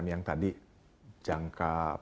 yang tadi jangka